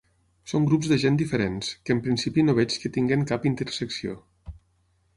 Són grups de gent diferents, que en principi no veig que tinguin cap intersecció.